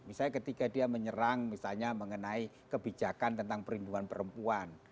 misalnya ketika dia menyerang misalnya mengenai kebijakan tentang perlindungan perempuan